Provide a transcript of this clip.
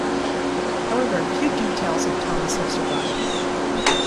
However, few details of Thomas have survived.